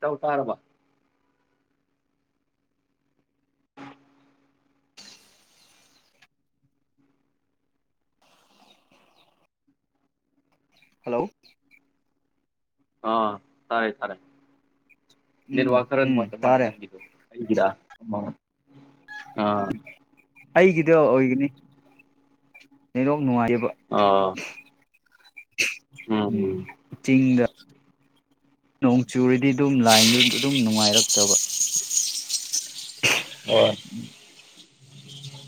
ꯇꯧ ꯇꯥꯔꯕ ꯍꯜꯂꯣ ꯑꯥ ꯁꯔꯦ ꯁꯥꯔꯦ ꯅꯤꯡꯂ ꯋꯥ ꯎꯝ ꯀꯔ ꯎꯝ ꯃꯥꯦ ꯃꯥ ꯇꯥꯔꯦ ꯅꯪꯗꯨ ꯍꯒꯔ ꯑꯩꯒꯤꯗꯦ ꯑꯣꯏꯒꯅꯤ ꯔꯣ ꯅꯅꯨꯡꯕ ꯑꯥ ꯎꯝ ꯆꯤꯡꯗ ꯍ ꯆꯨꯔꯤꯗꯤ ꯑꯗꯨꯝ ꯂꯥꯏꯟꯗꯨ ꯑꯗꯨꯝ ꯅꯨꯡꯉꯥꯏꯔꯛꯇꯕ ꯑ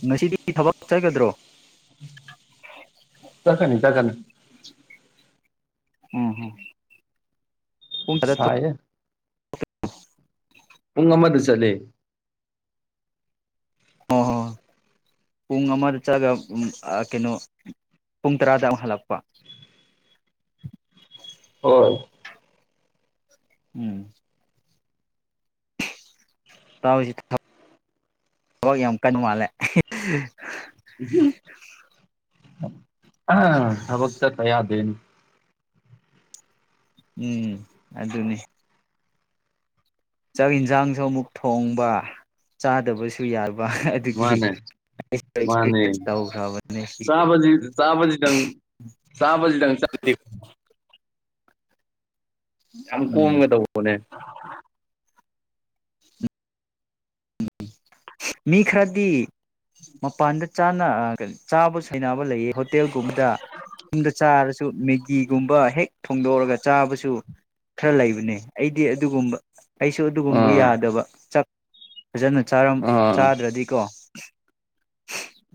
ꯉꯁꯤꯗꯤ ꯊꯕꯛ ꯆꯥꯏꯒꯗ꯭ꯔꯣ ꯆꯈꯅꯤ ꯆꯒꯅꯤ ꯎꯝ ꯍꯝ ꯁꯥꯏ ꯄꯨꯡ ꯑꯃꯗ ꯆꯠꯂ ꯑꯣ ꯍꯣꯏꯣꯏ ꯄꯨꯡ ꯑꯃꯗ ꯆꯠꯂꯒ ꯀꯩꯅꯣ ꯄꯨꯡ ꯇꯔꯥꯗ ꯑꯃꯨꯛ ꯍꯜꯂꯛꯄ ꯍꯣꯏ ꯎꯝ ꯇꯥꯎꯔꯤꯁꯤꯕ ꯊꯕꯛ ꯌꯥꯝ ꯀꯟ ꯃꯥꯜꯂꯦ ꯑ ꯑ ꯍꯕꯛ ꯇ ꯇ ꯌꯥ ꯇꯦꯟ ꯎꯝ ꯑꯗꯨ ꯑꯗꯨꯅꯦ ꯆꯥꯛ ꯌꯦꯟꯁꯥꯡꯁꯨ ꯑꯃꯨꯛ ꯊꯣꯡꯕ ꯆꯥꯗꯕꯁꯨ ꯌꯥꯔ ꯃꯥꯅꯦ ꯃꯥꯅꯦ ꯑꯦꯛꯁꯄꯤꯔꯤꯌꯦꯟꯁ ꯇꯧꯈ꯭ꯔꯕꯅꯦ ꯆ ꯁꯤꯗꯤ ꯆꯥꯇ ꯆꯥꯇ ꯆ ꯌꯥꯝ ꯎꯝ ꯀꯣꯣꯡꯒꯦꯗꯅꯦ ꯃꯤ ꯈꯔꯗꯤ ꯃꯄꯥꯟꯗ ꯆ ꯆꯥꯕ ꯁꯩꯅꯕ ꯂꯩꯌꯦ ꯍꯣꯇꯦꯜꯒꯨꯝꯕꯗ ꯌꯨꯝꯗ ꯆꯥꯔ ꯁ ꯃꯦꯒꯤꯒꯨꯝꯕ ꯍꯦꯛ ꯐꯣꯡꯗꯣꯛꯑꯒ ꯆꯥꯕꯁꯨ ꯈꯔ ꯂꯩꯕꯅꯦ ꯑꯩꯗꯤ ꯑꯗꯨꯒꯨꯝꯕ ꯑꯩꯁꯨ ꯑꯗꯨꯒꯨꯝꯕ ꯑꯥ ꯌꯥꯗꯕ ꯆ ꯍꯖꯅ ꯆꯥ ꯑꯥ ꯆꯥꯗ꯭ꯔꯗꯤꯀꯣ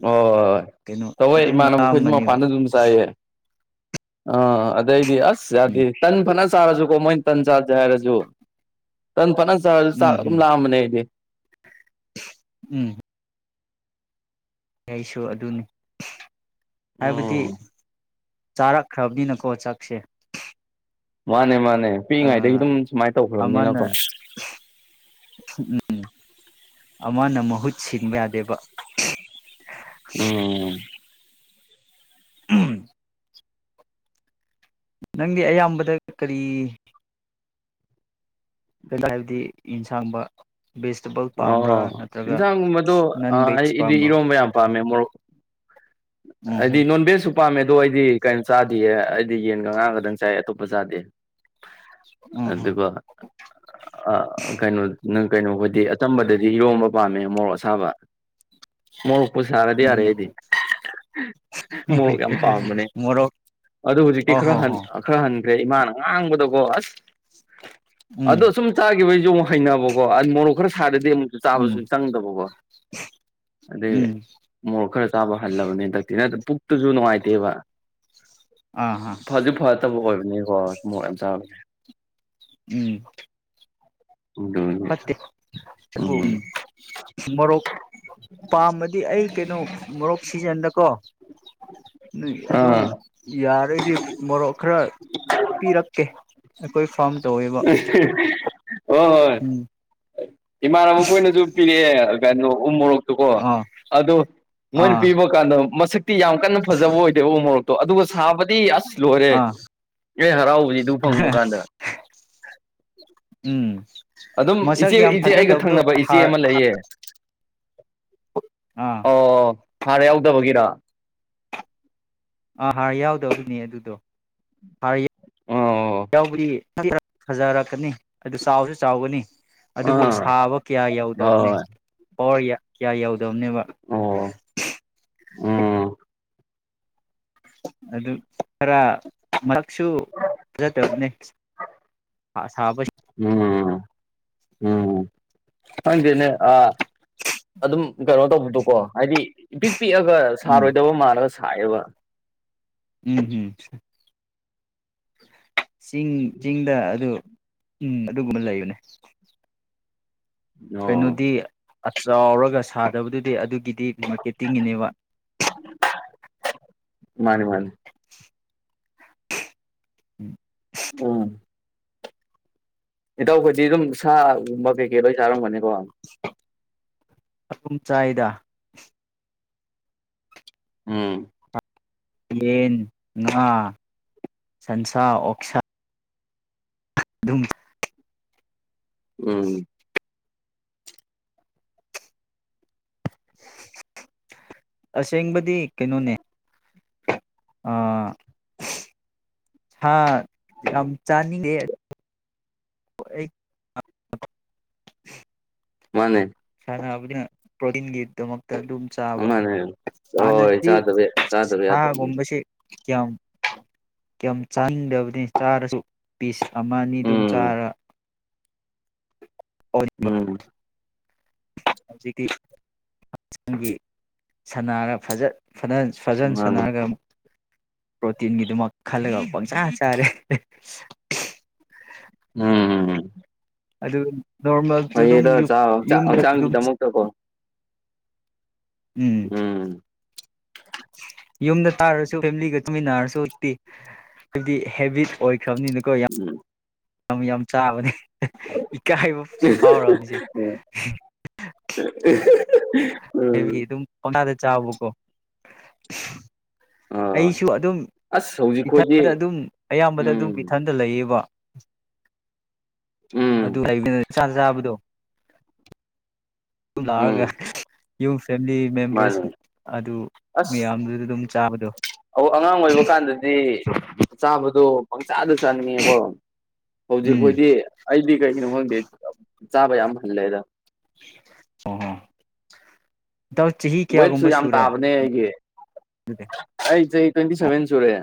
ꯑꯣ ꯀꯩꯅꯣ ꯇꯧꯣꯏ ꯑꯗꯨꯝ ꯏꯃꯥꯟꯅꯕꯈꯣꯏꯗꯤ ꯂꯥꯝꯕꯅꯦꯕ ꯃꯄꯥꯟꯗ ꯑꯗꯨꯝ ꯆꯥꯏꯌꯦ [unintelligible] ꯑꯁ ꯌꯥꯗꯦ ꯎꯝ ꯇꯟ ꯐꯅ ꯆꯥꯔꯁꯨꯀꯣ ꯃꯣꯏ ꯇꯟ ꯆꯥꯠꯖꯔꯖꯣ ꯇꯟ ꯐꯅ ꯎꯝ ꯎꯝ ꯨꯂꯃꯅꯦꯗ [unintelligible] ꯎꯝ ꯑꯩꯁꯨ ꯑꯗꯨꯅꯤ ꯍꯥꯏꯕꯗꯤ ꯎꯝ ꯆꯥꯔꯛꯈ꯭ꯔꯕꯅꯤꯅꯀꯣ ꯆꯥꯛꯁꯦ ꯃꯥꯅꯦ ꯃꯥꯅꯦ ꯅꯦ ꯄꯤꯛꯏꯉꯥꯏꯗꯒꯤ ꯑꯥ ꯑꯗꯨꯝ ꯁꯨꯃꯥꯏꯅ ꯑꯃꯅ ꯇꯧꯈ꯭ꯔꯕꯅꯤꯅꯀꯣ ꯎꯝ ꯑꯃꯅ ꯃꯍꯨꯠ ꯁꯤꯟꯕ ꯌꯥꯗꯦꯕ ꯎꯝ ꯎꯝ ꯅꯪꯒꯤ ꯑꯌꯥꯝꯕꯗ ꯀꯔꯤ ꯀꯩꯅꯣ ꯍꯥꯏꯕꯗꯤ ꯌꯦꯟꯁꯥꯡꯕ ꯚꯦꯖꯤꯇꯦꯕꯜ ꯑꯣ ꯄꯥꯝꯕ꯭ꯔꯥ ꯅꯠꯇ꯭ꯔꯒ ꯑꯦꯟꯁꯥꯡꯒꯨꯝꯕꯗꯣ ꯅꯟ ꯚꯦꯖ ꯑꯩꯗꯤ ꯄꯥꯝꯕ꯭ꯔꯣ ꯏꯔꯣꯝꯕ ꯌꯥꯝ ꯄꯥꯝꯃꯦ ꯃꯣꯔꯣꯛ ꯎꯝ ꯍꯥꯏꯗꯤ ꯍꯝ ꯅꯣꯟꯚꯦꯖꯁꯨ ꯄꯥꯝꯃꯦ ꯑꯗꯣ ꯑꯩꯗꯤ ꯀꯩꯅꯣ ꯆꯥꯗꯌꯦ ꯍꯥꯏꯗꯤ ꯌꯦꯟꯒ ꯉꯥꯡꯒꯗꯪ ꯆꯥꯏ ꯑꯇꯣꯞꯄ ꯆꯥꯗꯦ ꯎꯝ ꯍꯝ ꯑꯗꯨꯒ ꯑ ꯀꯩꯅꯣ ꯅꯪ ꯀꯩꯅꯣꯗꯤ ꯇꯝꯕꯗꯗꯤ ꯌꯣꯕ ꯄꯥꯝꯃꯦ ꯃꯣꯔꯣꯛ ꯑꯁꯥꯕ ꯃꯣꯔꯣꯛ ꯄꯨ ꯁꯥꯔꯗꯤ ꯎꯝ ꯌꯥꯔꯦ ꯍꯝ ꯑꯩꯗꯤ ꯃꯣꯔꯣꯛ ꯌꯥꯝ ꯄꯥꯝꯕꯅꯦ ꯃꯣꯔꯣꯛ ꯑꯗꯨ ꯍꯧꯖꯤꯛꯇꯤ ꯑꯣ ꯈꯔ ꯍꯣ ꯍꯣ ꯈꯔ ꯍꯟꯈ꯭ꯔꯦ ꯏꯃꯥꯅ ꯉꯥꯡꯕꯨꯗꯣ ꯑꯁ ꯎꯝ ꯑꯗꯣ ꯁꯨꯝ ꯆꯥꯈꯤꯕꯒꯤꯁꯨ ꯑꯃꯨꯛ ꯍꯩꯅꯅꯕꯀꯣ ꯃꯣꯔꯣꯛ [unintelligible] ꯑꯗꯨ ꯑꯃꯨꯛꯁꯨ ꯆꯥꯕꯁꯨ ꯎꯝ ꯆꯪꯗꯕꯀꯣ ꯑꯗꯩ ꯎꯝ ꯃꯣꯔꯣꯛ ꯈꯔ ꯆꯥꯕ ꯍꯜꯂꯕꯅꯤ ꯍꯟꯗꯛꯇꯤꯅ ꯗꯨꯁꯨ ꯍꯥꯏꯇꯦꯕ ꯑꯥ ꯍꯥ ꯐꯁꯨ ꯐꯠꯇꯕ ꯑꯣꯏꯕꯅꯤ ꯍꯣꯏ ꯃꯣꯏ ꯌꯥꯝ ꯆꯥꯕꯁꯦ ꯎꯝ [unintelligible] ꯐꯠꯇꯦ ꯑꯗꯨ ꯎꯝ ꯃꯣꯔꯣꯛ ꯄꯥꯝꯃꯗꯤ ꯑꯩ ꯀꯩꯅꯣ ꯃꯣꯔꯣꯛ ꯁꯤꯖꯟꯗꯀꯣ ꯅꯣꯏ ꯑꯗꯨꯝ ꯑꯥ ꯌꯥꯥꯔꯩꯗꯤ ꯃꯣꯔꯣꯛ ꯈꯔ ꯄꯤꯔꯛꯀꯦ ꯀꯣꯏ [unintelligible] [inaudible] ꯍꯣꯏ ꯍꯣꯏ ꯎꯝ ꯏꯃꯥꯟꯅꯕ ꯑꯩꯈꯣꯏꯅꯁꯨ ꯄꯤꯔꯛꯑꯦ ꯀꯩꯅꯣ ꯎꯃꯔꯛ ꯀꯣ ꯑꯥ ꯑꯗꯨ ꯃꯣꯏꯅ ꯑꯥ ꯄꯤꯕ ꯀꯥꯟꯗ ꯃꯁꯛ ꯇꯤ ꯌꯥꯝ ꯀꯟꯅ ꯐꯖꯕ ꯑꯣꯏꯗꯦꯕ ꯎ ꯃꯣꯔꯣꯛ ꯑꯗꯨꯒ ꯁꯥꯕ ꯗꯤ ꯑꯁ ꯂꯣꯏꯔꯦ ꯑꯥ ꯏꯣꯏ ꯍꯔꯥꯎꯕꯗꯤ ꯑꯗꯨ ꯐꯪꯕ ꯀꯥꯟꯗ ꯎꯝ ꯑꯗꯨꯝ ꯃꯁꯛ ꯏꯆꯦ ꯌꯥꯝ ꯏꯆꯦ ꯑꯩꯒ ꯐꯖꯗꯕꯗꯣ ꯊꯪꯅꯕ ꯏꯆꯦ ꯍꯥꯔ ꯑꯃ ꯂꯩꯌꯦ ꯑꯥ ꯑꯣ ꯍꯥꯔ ꯌꯥꯎꯗꯕꯒꯤꯔ ꯑꯥ ꯍꯥꯔ ꯌꯥꯎꯗꯕꯕꯅꯦ ꯑꯗꯨꯗꯣ ꯍꯥꯔ ꯑꯣ ꯌꯥꯎꯕꯗꯤ ꯈꯔ ꯐꯖꯔꯛꯀꯅꯤ ꯑꯗꯨ ꯆꯥꯎꯕꯁꯨ ꯆꯥꯎꯒꯅꯤ ꯑꯗꯨꯕꯨ ꯑꯥ ꯁꯥꯕ ꯀꯌꯥ ꯌꯧꯗꯕꯅꯤ ꯍꯣꯏ ꯄꯋꯥꯔ ꯀꯌꯥ ꯌꯥꯎꯗꯕꯅꯦꯕ ꯑꯣ ꯎꯝ ꯑꯗꯨ ꯈꯔ ꯀ ꯁꯨ ꯐꯖꯗꯕꯅꯦ ꯁꯥꯕ ꯎꯝ ꯎꯝ ꯈꯪꯗꯦꯅꯦ ꯑꯗꯨꯝ ꯀꯩꯅꯣ ꯇꯧꯕꯗꯨꯀꯣ ꯍꯥꯏꯗꯤ ꯄꯤꯛꯑꯒ ꯎꯝ ꯁꯥꯔꯣꯏꯗꯕ ꯃꯥꯜꯂꯒ ꯁꯥꯏꯌꯦꯕ ꯎꯝ ꯎꯝ ꯆꯤꯡ ꯆꯤꯡꯗ ꯑꯗꯨ ꯎꯝ ꯑꯗꯨꯒꯨꯝꯕ ꯂꯩꯕꯅꯦ ꯑꯣ ꯀꯩꯅꯣꯗꯤ ꯆꯥꯎꯔꯒ ꯁꯥꯗꯕꯗꯨꯗꯤ ꯑꯗꯨꯒꯤ ꯗꯤ ꯃꯥꯔꯀꯦꯇꯤꯡꯒꯤꯅꯦꯕ ꯃꯥꯅꯤ ꯃꯥꯅꯤ ꯎꯝ ꯎꯝ ꯏꯇꯧꯈꯗꯤ ꯑꯗꯨꯝ ꯁꯥꯒꯨꯝꯕ ꯀꯩꯀꯩ ꯂꯣꯏ ꯆꯥꯔꯝꯒꯅꯤꯀꯣ ꯑꯗꯨꯨꯝ ꯆꯥꯏꯗ ꯎꯝ ꯌꯦꯟ ꯉꯥ ꯁꯟꯁꯥ ꯑꯣꯛꯁꯥ ꯑꯗꯨꯝ ꯎꯝ ꯑꯁꯦꯡꯕꯗꯤ ꯀꯩꯅꯣꯅꯦ ꯁꯥ ꯌꯥꯝ ꯆꯥꯅꯤ ꯑꯦ ꯃꯥꯅꯦ ꯅ ꯄꯤꯟꯒꯛ ꯇ ꯑꯗꯨꯝ ꯆꯥꯕ ꯃꯥꯅꯦ ꯍꯣꯏ ꯍꯥꯟꯅꯗꯤ ꯆꯥꯗꯕ ꯆꯥꯗꯕ ꯌꯥꯗꯕꯅꯤ ꯁꯥꯒꯨꯝꯕꯁꯦ ꯀꯌꯥꯝ ꯀꯌꯥꯝ ꯆꯥꯅꯤꯡꯗꯕꯅꯤ ꯆꯥꯔꯁꯨ ꯄꯁꯤ ꯑꯃ ꯑꯅꯤ ꯑꯗꯨꯝ ꯎꯝ ꯆꯥꯔ [unintelligible] ꯎꯝ ꯍꯧꯖꯤꯛꯇꯤ ꯍꯛꯆꯒꯤ ꯁꯅꯥꯔ ꯐꯖꯠ ꯐꯅ ꯐꯖꯅ ꯃꯥꯅꯤ ꯁꯥꯟꯅꯔꯒ ꯄ꯭ꯔꯣꯇꯤꯟꯒꯤꯗꯨꯃꯛ ꯈꯜꯂꯒ ꯄꯪꯆꯥꯥ ꯆꯥꯔꯦ ꯎꯝꯝ ꯑꯗꯨ ꯅꯣꯔꯃꯦꯜꯁꯨ ꯑꯗꯨꯝ ꯍꯌꯦꯗ ꯌꯨꯝꯗ ꯑꯗꯨꯝ ꯍꯛꯆꯥꯡꯒꯤꯗꯃꯛꯇꯀꯣ ꯎꯝ ꯌꯨꯝꯗ ꯇꯥꯔꯁꯨ ꯐꯦꯃꯤꯂꯤꯒ ꯆꯨꯃꯤꯟꯅꯔꯁꯨꯤ ꯍꯥꯏꯕꯗꯤ ꯍꯦꯕꯤꯠ ꯑꯣꯏꯣꯏ ꯈꯕꯅꯤꯅꯤꯀꯣ ꯌꯥꯝ ꯎꯝ ꯌꯥꯝ ꯌꯥꯝ ꯆꯥꯕꯅꯤ ꯏꯀꯥꯏꯕꯁꯨ ꯐꯥꯎꯕꯁꯦ ꯎꯝ ꯍꯕꯤ ꯑꯗꯨꯝꯗ ꯆꯥꯕ ꯀꯣ ꯑꯥ ꯑꯩꯁꯨ ꯑꯗꯨꯝ ꯑꯁ ꯍꯧꯖꯤꯛꯈꯣꯏꯗꯤ ꯏꯊꯟꯗ ꯑꯗꯨꯝ ꯑꯌꯥꯝꯕꯗ ꯑꯗꯨꯝ ꯎꯝ ꯏꯊꯟꯗ ꯂꯩꯌꯦꯕ ꯎꯝ ꯑꯗꯨ ꯎꯝ ꯂꯩꯕꯅ ꯆꯥ ꯆꯥꯕꯗꯣ ꯑꯗꯨ ꯂꯥꯛꯑꯒ ꯎꯝ ꯌꯨꯝ ꯐꯦꯃꯤꯂꯤ ꯃꯦꯝꯕꯔꯁ ꯃꯥꯅꯦ ꯑꯗꯨ ꯑꯁ ꯃꯌꯥꯝꯗꯨꯗ ꯑꯗꯨꯝ ꯆꯥꯕꯗꯣ ꯆꯥꯕ ꯑꯗꯣ ꯄꯪꯆꯥꯥꯗ ꯆꯥꯅꯤꯡꯉꯦꯀꯣ ꯎꯝ ꯍꯧꯖꯤꯛꯈꯣꯏꯗꯤ ꯑꯩꯗꯤ ꯀꯩꯒꯤꯅꯣ ꯈꯪꯗꯦ ꯆꯥꯕ ꯌꯥꯝ ꯐꯟꯂꯦꯗ ꯑꯣ ꯍꯣ ꯏꯇꯥꯎ ꯆꯍꯤ ꯋꯦꯠꯁꯨ ꯀꯌꯥꯒꯨꯝꯕ ꯌꯥꯝ ꯁꯨꯔꯦ ꯇꯥꯕꯅꯦ ꯑꯩꯒꯤ ꯑꯗꯨꯗꯤ ꯑꯩ ꯆꯍꯣ ꯇ꯭ꯋꯦꯟꯇꯤ ꯁꯚꯦꯟ ꯁꯨꯔꯦ [inaudible]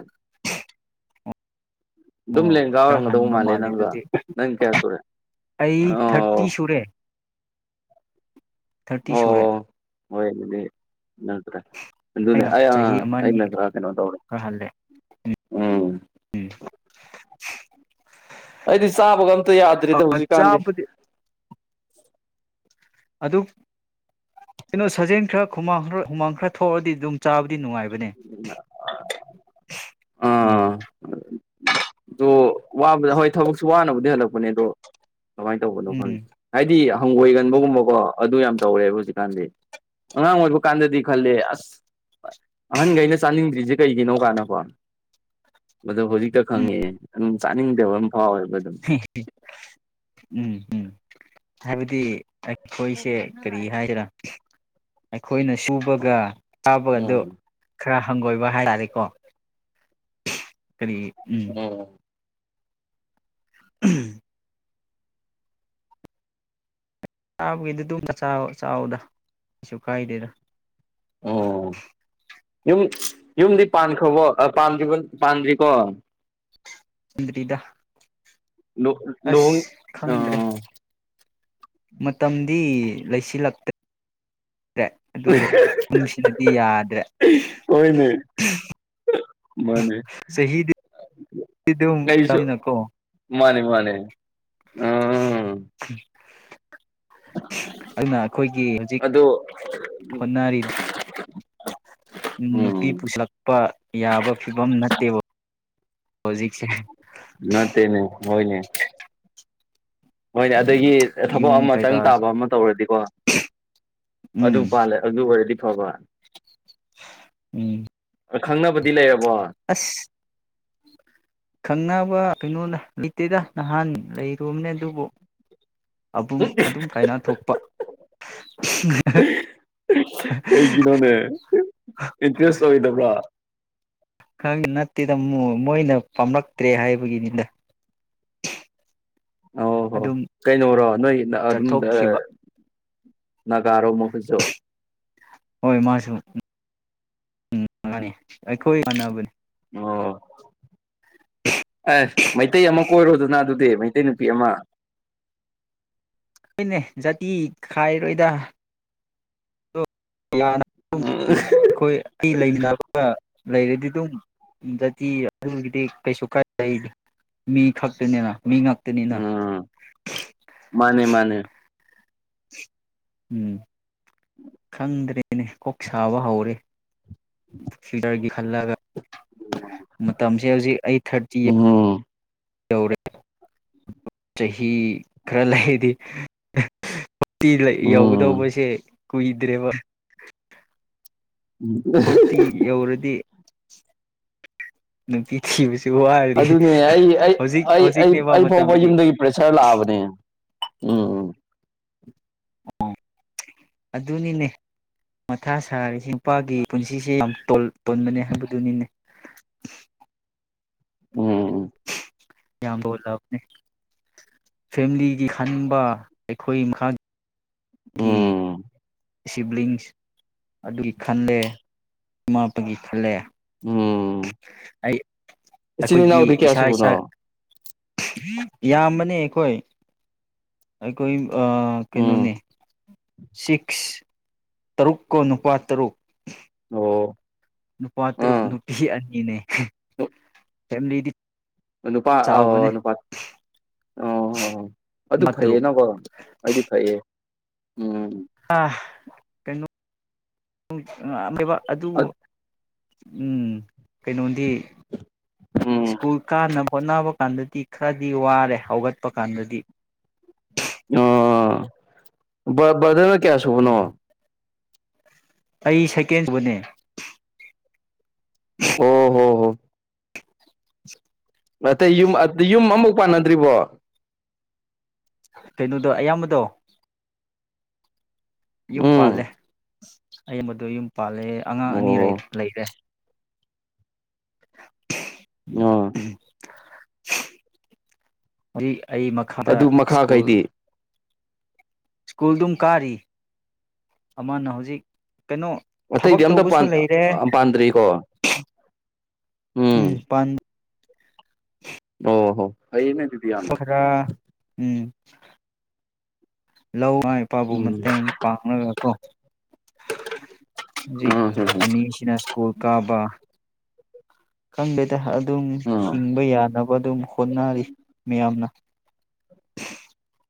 ꯑꯗꯨꯝ ꯑꯣ ꯂꯦꯡꯒꯥ ꯈꯔ ꯑꯣꯏꯔꯝꯒꯗꯧꯕ ꯍꯟꯕ ꯃꯥꯜꯂꯦ ꯅꯪꯒ ꯑꯗꯨꯗꯤ ꯅꯪ ꯀꯌꯥ ꯁꯨꯔꯦ ꯑꯩ ꯑꯣ ꯊꯥꯔꯇꯤ ꯁꯨꯔꯦ ꯊꯥꯔꯇꯤ ꯁꯨꯔꯦ ꯑꯣ ꯍꯣꯏ ꯑꯗꯨꯗꯤ ꯅꯠꯇ꯭ꯔꯦ ꯑꯗꯨꯅꯤ ꯑꯩꯅ ꯑꯩ ꯆꯍꯤ ꯑꯃꯅꯤ ꯑꯩꯅ ꯈꯔ ꯀꯩꯅꯣ ꯇꯧꯔꯦ ꯈꯔ ꯍꯜꯂꯦ ꯎꯝ [inaudible] ꯑꯩꯗꯤ ꯆꯥꯕꯒ ꯑꯝ ꯇ ꯌꯥꯗ꯭ꯔꯦꯗ ꯎꯝ ꯍꯧꯖꯤꯛꯀꯥꯟꯗꯤ ꯆꯥꯕꯗꯤ ꯑꯗꯨ ꯀꯩꯅꯣ ꯁꯥꯖꯦꯜ ꯈꯔ ꯍꯨꯃꯥꯡ ꯈꯔ ꯍꯨꯃꯥꯡ ꯈꯔ ꯊꯣꯛꯑꯗꯤ ꯑꯗꯨꯝ ꯆꯥꯕ ꯗꯤ ꯅꯨꯡꯉꯥꯏꯕꯅꯦ ꯎꯝ ꯋꯥꯕꯨꯗꯣ ꯍꯣꯏ ꯊꯕꯛꯁꯨ ꯋꯥꯅꯕꯨ ꯗꯤ ꯍꯂꯛꯄꯅꯦ ꯑꯗꯣ ꯀꯃꯥꯏ ꯇꯧꯕꯅꯣ ꯎꯝ ꯈꯪꯗꯦ ꯍꯥꯏꯗꯤ ꯍꯪꯒꯣꯏꯒꯟꯕꯒꯨꯝꯕꯀꯣ ꯑꯗꯨ ꯌꯥꯝ ꯇꯧꯔꯦꯕ ꯍꯧꯖꯤꯛꯀꯥꯟꯗꯤ ꯑꯉꯥꯡ ꯑꯣꯏꯕ ꯀꯥꯟꯗꯗꯤ ꯈꯜꯂꯦ ꯑꯁ ꯑꯍꯟꯈꯩꯅ ꯆꯥꯅꯤꯡꯗ꯭ꯔꯤꯁꯦ ꯀꯩꯒꯤꯅꯣ ꯀꯥꯏꯅꯀꯣ ꯑꯗꯣ ꯍꯧꯖꯤꯛꯇ ꯎꯝ ꯈꯪꯉꯛꯑꯦ ꯎꯝ ꯆꯥꯅꯤꯡꯗꯦꯕꯝ ꯎꯝ ꯎꯝ ꯍꯥꯏꯕꯗꯤ ꯑꯩꯈꯣꯏꯁꯦ ꯀꯔꯤ ꯍꯥꯢꯁꯤꯔꯥ ꯑꯩꯈꯣꯏꯅ ꯁꯨꯕꯒ ꯆꯥꯕꯒꯗꯨ ꯎꯝ ꯈꯔ ꯍꯪꯒꯣꯏꯕ ꯍꯥꯏꯇꯥꯔꯦꯀꯣ ꯀꯔꯤ ꯎꯝ [unintelligible] ꯆꯥꯕꯒꯤꯗꯨ ꯑꯗꯨꯝ ꯆꯥꯎ ꯆꯥꯎꯋꯣꯗ ꯀꯩꯁꯨ ꯀꯥꯏꯗꯦꯗ ꯑꯣ ꯌꯨꯝ ꯌꯨꯝꯗꯤ ꯄꯥꯟꯈ꯭ꯔꯕꯣ ꯄꯗ꯭ꯔꯤꯕꯣ ꯄꯥꯟꯗ꯭ꯔꯤꯀꯣ ꯗꯔꯤꯗ ꯂꯨ ꯂꯨꯍꯣꯡ ꯑꯥ ꯃꯇꯝꯗꯤ ꯂꯩꯁꯤꯜꯂꯛꯇꯦ ꯭ꯔꯦ ꯑꯗꯨꯕꯨ [unintelligible] ꯁꯤꯅꯗꯤ ꯌꯥꯗ꯭ꯔꯦ ꯍꯣꯏꯅꯦ ꯃꯥꯅꯦ ꯆꯍꯤꯗꯤ ꯑꯗꯨꯝ ꯑꯩꯁꯨ ꯇꯝꯅꯤꯅꯀꯣ ꯃꯥꯅꯦ ꯃꯥꯅꯦ ꯎꯝ [inaudible] ꯑꯗꯨꯅ ꯑꯩꯈꯣꯏꯒꯤ ꯍꯧꯖꯤꯛ ꯑꯗꯨ ꯍꯣꯠꯅꯔꯤꯗꯨ ꯎꯝ ꯅꯨꯄꯤ ꯄꯨꯁꯜꯂꯄ ꯌꯥꯕ ꯐꯤꯕꯝ ꯅꯠꯇꯦꯕ ꯍꯧꯖꯤꯁꯦ ꯅꯠꯇꯦꯅꯦ ꯍꯣꯢꯅꯦ ꯍꯣꯏꯅꯦ ꯑꯗꯒꯤ ꯊꯕꯛ ꯌꯨꯝ ꯑꯃ ꯇꯪ ꯀꯩꯀꯥ ꯇꯥꯕ ꯑꯃ ꯇꯧꯔꯗꯤꯀꯣ ꯑꯗꯨ ꯎꯝ ꯄꯥꯜꯂꯦ ꯑꯗꯨ ꯑꯣꯏꯔꯗꯤ ꯐꯕ ꯎꯝ ꯈꯪꯅꯕꯗꯤ ꯂꯩꯔ ꯑꯁ ꯈꯪꯅꯕ ꯀꯩꯅꯣꯗ ꯂꯩꯇꯦꯗ ꯅꯍꯥꯟ ꯂꯩꯔꯨꯕꯅꯦ ꯑꯗꯨꯕꯨ ꯑ ꯑꯗꯨꯝ ꯀꯥꯏꯅ ꯊꯣꯛꯄ ꯀꯩꯒꯤꯅꯣꯅꯦ ꯏꯟꯇ꯭ꯔꯦꯁ ꯑꯣꯏꯗꯕ꯭ꯔꯥ ꯈ ꯅꯠꯇꯦꯗ ꯃꯣꯏꯅ ꯄꯥꯝꯂꯛꯇ꯭ꯔꯦ ꯍꯥꯏꯕꯒꯤꯅꯤꯗ ꯑꯣ ꯍꯣ ꯑꯗꯨꯝ ꯀꯩꯅꯣꯔꯣ ꯅꯣꯏ ꯑꯗꯨꯝ ꯆꯠꯊꯣꯛꯈꯤꯕ ꯅꯥꯒꯥꯔꯣ ꯃꯈꯣꯏꯁꯨ ꯍꯣꯏ ꯃꯥꯁꯨꯅꯤ ꯑꯩꯈꯣꯏ ꯀꯥꯟꯅꯕꯅꯤ ꯑꯣ ꯑꯦꯁ ꯃꯩꯇꯩ ꯑꯃ ꯀꯣꯏꯔꯣꯗꯅ ꯑꯗꯨꯗꯤ ꯃꯩꯇꯩ ꯇꯩꯅꯨꯄꯤ ꯑꯃ ꯑꯩꯈꯣꯏꯅꯦ ꯖꯥꯇꯤ ꯈꯥꯏꯔꯣꯏꯗ ꯑꯩꯈꯣꯏ ꯑꯩ ꯂꯩꯃꯤꯟꯅꯕꯒ ꯂꯩꯔꯗꯤ ꯑꯗꯨꯝ ꯖꯥꯇꯤ ꯑꯗꯨꯒꯤꯗꯤ ꯀꯩꯁꯨ ꯀꯥꯏ ꯂꯩ ꯃꯤ ꯈꯛꯇꯅꯤꯅ ꯃꯤ ꯉꯥꯛꯇꯅꯤꯅ ꯎꯝ ꯃꯥꯅꯦ ꯃꯥꯅꯦ ꯎꯝ ꯈꯪꯗ꯭ꯔꯦꯅꯦ ꯀꯣꯛ ꯁꯥꯕ ꯍꯧꯔꯦ ꯐꯤꯜꯇꯔꯒꯤ ꯈꯜꯂꯒ ꯃꯇꯝꯁꯦ ꯍꯧꯖꯤꯛ ꯑꯩ ꯊꯥꯔꯇꯤ ꯎꯝ ꯌꯧꯔꯦ ꯆꯍꯤ ꯈꯔ ꯂꯩꯗꯤ ꯇꯤ ꯎꯝ ꯌꯧꯒꯗꯧꯕꯁꯦ ꯀꯣꯏ ꯏꯗꯔꯦꯕ ꯍꯔꯇ ꯌꯎꯔꯗꯤ [unintelligible] ꯑꯗꯨꯅꯦ ꯑꯩ ꯍꯧꯖꯤꯛꯅꯦꯕ ꯑꯩ ꯐꯥꯎꯕ ꯃꯇꯝꯁꯤꯗꯤ ꯌꯨꯝꯗꯒꯤ ꯄ꯭ꯔꯦꯁꯔ ꯂꯥꯛꯑꯕꯅꯦ ꯎꯝ ꯎꯝ ꯑꯣ ꯑꯗꯨꯅꯤꯅꯦ ꯃꯊꯥ ꯁꯥꯔꯤꯁꯦ ꯅꯨꯄꯥꯒꯤ ꯄꯨꯟꯁꯤꯁꯦ ꯌꯥꯝ ꯇꯣꯟꯕꯅꯦ ꯍꯥꯏꯕꯗꯨꯅꯤꯅꯦ ꯎꯝ ꯌꯥꯝꯕ ꯎꯠꯂꯛꯑꯕꯅꯤ ꯐꯦꯃꯤꯂꯤꯒꯤ ꯈꯟꯕ ꯑꯩꯈꯣꯏ ꯃꯈꯥ ꯎꯝ ꯁꯤꯕ꯭ꯂꯤꯡꯁ ꯑꯗꯨꯒꯤ ꯈꯜꯂꯦ ꯏꯃꯥꯄꯥꯒꯤ ꯈꯜꯂꯦ ꯑꯩ ꯆꯅꯤ ꯑꯩꯈꯣꯏꯒꯤ ꯅꯎꯗ ꯀꯦ ꯏꯁꯥ ꯏꯁꯥ ꯑꯁꯕꯨꯅ ꯌꯥꯝꯕꯅꯦ ꯑꯩꯈꯣꯏ ꯑꯩꯈꯣꯏ ꯀꯩꯅꯣꯅꯦ ꯎꯝ ꯁꯤꯛꯁ ꯇꯔꯨꯛ ꯀꯣ ꯅꯨꯄꯥ ꯇꯔꯨꯛ ꯑꯣ ꯅꯨꯄꯥ ꯇꯔꯨꯛ ꯑꯥ ꯅꯨꯄꯤ ꯑꯅꯤꯅꯦ ꯐ ꯂꯤꯗꯤ ꯅꯨꯄꯥ ꯑ ꯅꯨꯄꯥ ꯑꯣ ꯍꯣ ꯍ ꯑꯗꯨ ꯅꯨꯄꯥ ꯐꯩꯌꯦ ꯇꯔꯨꯛ ꯅꯀꯣ ꯑꯩꯗꯤ ꯐꯩꯌꯦ ꯎꯝ ꯑꯥ ꯀꯩꯅꯣ ꯕ ꯑꯗꯨꯕꯨ ꯎꯝ ꯀꯩꯅꯣꯗꯤ ꯎꯝ ꯁ꯭ꯀꯨꯜ ꯀꯅꯕꯥ ꯍꯣꯠꯅꯕ ꯀꯥꯟꯗꯗꯤ ꯈꯔꯗꯤ ꯋꯥꯔꯦ ꯍꯧꯒꯠꯄ ꯀꯥꯟꯗꯗꯤ [inaudible] ꯕ ꯕꯗ꯭ꯔ ꯀ ꯀꯦ ꯑꯁꯕ ꯅ ꯑꯩ ꯁꯥꯏꯀꯦꯟꯖꯕꯅꯦ ꯑꯣ ꯍꯣ ꯍꯣ ꯑꯇꯩ ꯌꯨꯝ ꯌꯨꯝ ꯑꯃꯐꯨꯛ ꯄꯥꯟꯅꯗ꯭ꯔꯤꯕꯣ ꯀꯩꯅꯣꯗꯣ ꯑꯌꯥꯝꯕꯗꯣ ꯌꯨꯝ ꯄꯥꯜꯂꯦ ꯎꯝ ꯑꯩ ꯃꯗꯨ ꯌꯨꯝ ꯄꯥꯜꯂꯦ ꯑꯉꯥꯡ ꯑꯅꯤꯔ ꯑꯣ ꯂꯩꯔꯦ ꯑ ꯍꯧ [unintelligible] ꯑꯩ ꯃꯈꯥꯗ ꯑꯗꯨ ꯁ꯭ꯀꯨꯜ ꯃꯈꯥꯈꯩꯗꯤ ꯁ꯭ꯀꯨꯜꯗꯨꯝ ꯀꯥꯔꯤ ꯑꯃꯅ ꯍꯧꯖꯤꯛ ꯀꯩꯅꯣ ꯑꯇꯩꯗꯤ ꯊꯕꯛ ꯑꯝꯇ ꯇꯧꯕꯁꯨ ꯂꯩꯔꯦ ꯄꯥꯟꯗ꯭ꯔꯤꯀꯣ ꯎꯝ ꯑꯣ ꯍꯣ ꯐꯩꯅꯦ ꯑꯗꯨꯗꯤ ꯌꯥꯝꯅ ꯊꯥ ꯎꯝ [inaudible] ꯂꯧ ꯏꯄꯥꯕꯨ ꯎꯝ ꯃꯇꯦꯡ ꯄꯥꯡꯂꯒꯀꯣ ꯍꯧꯖꯤꯛ ꯎꯝ ꯎꯝ ꯑꯅꯤꯁꯤꯅ ꯁ꯭ꯀꯨꯜ ꯀꯥꯕ ꯀꯪꯕꯦꯗ ꯍꯥ ꯑꯗꯨꯝ ꯎꯝ ꯍꯤꯡꯕ ꯌꯥꯅꯕ ꯑꯗꯨꯝ ꯍꯣꯠꯅꯔꯤ ꯃꯌꯥꯝꯅ